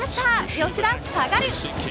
吉田下がる。